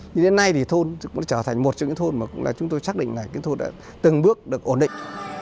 thì đến nay thì thôn cũng trở thành một trong những thôn mà chúng tôi chắc định là thôn đã từng bước được ổn định